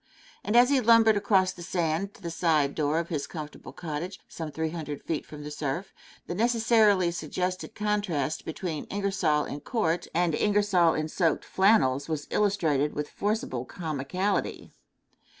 And as he lumbered across the sand to the side door of his comfortable cottage, some three hundred feet from the surf, the necessarily suggested contrast between Ingersoll in court and Ingersoll in soaked flannels was illustrated with forcible comicality.